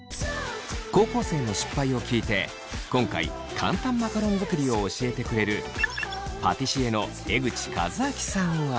高校生の失敗を聞いて今回簡単マカロン作りを教えてくれるパティシエの江口和明さんは。